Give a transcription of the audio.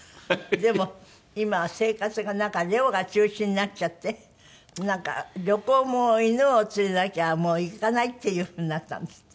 でも今は生活がなんかレオが中心になっちゃってなんか旅行も犬を連れなきゃもう行かないっていう風になったんですって？